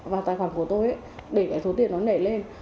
vào tài khoản của tôi để cái số tiền nó nảy lên